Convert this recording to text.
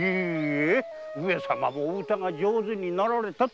上様も歌が上手なられたと。